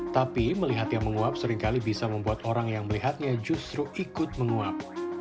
tapi melihat yang menguap seringkali bisa membuat orang yang melihatnya justru ikut menguap